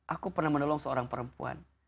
aku pernah menolong seorang perempuan